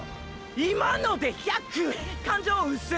今ので１００⁉感情うすっ！！